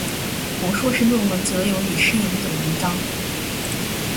博硕士论文则有李诗莹等文章。